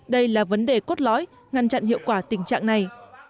đây là vấn đề cốt lõi ngăn chặn hiệu quả tình trạng này